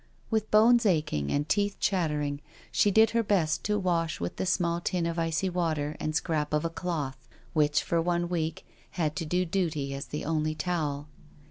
With bones aching and teeth chattering, she did her best to wash with the small tin of icy water and scrap of a cloth which, for one week, had to do duty as the only towel.